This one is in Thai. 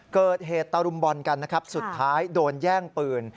เกิดเหตุตะลุมบอลกันนะครับสุดท้ายโดนแย่งปืน